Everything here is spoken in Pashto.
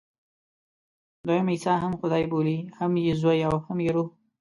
دوی عیسی هم خدای بولي، هم یې زوی او هم یې روح.